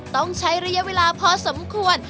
ต้องใช้ระยะเวลาพอสมควร